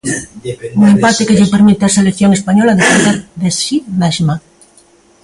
Un empate que lle permite á selección española depender de si mesma.